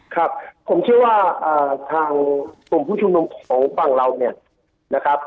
ครับผมคิดว่าทางตรงผู้ชุมนมของฝั่งเราเนี่ยนะครับ